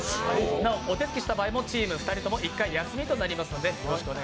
なおお手付きした場合もチーム２人とも１回休みとなります。